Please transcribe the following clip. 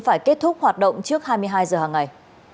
phải kết thúc hoạt động trước hai mươi hai giờ hàng ngày